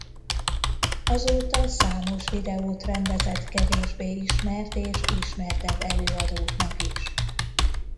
Azóta számos videót rendezett kevésbé ismert és ismertebb előadóknak is.